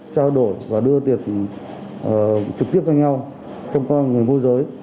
trao đổi và đưa tiền trực tiếp cho nhau trong con người môi giới